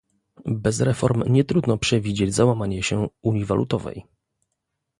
Bez reform nietrudno przewidzieć załamanie się unii walutowej